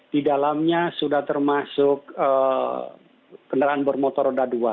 di dalamnya sudah termasuk kendaraan bermotor